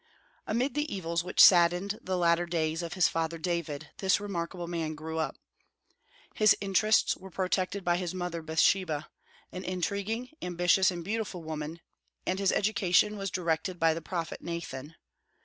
Amid the evils which saddened the latter days of his father David, this remarkable man grew up. His interests were protected by his mother Bathsheba, an intriguing, ambitious, and beautiful woman, and his education was directed by the prophet Nathan.